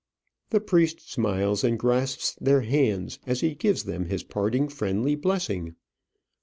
The priest smiles and grasps their hands as he gives them his parting friendly blessing.